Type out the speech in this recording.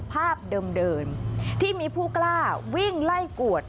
ภาพเดิมที่มีผู้กล้าวิ่งไล่กวด